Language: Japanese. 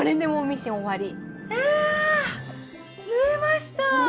あ縫えました！